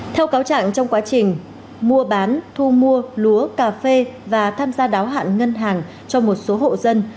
theo cáo trạng trong quá trình mua bán thu mua lúa cà phê và tham gia đáo hạn ngân hàng cho một số hộ dân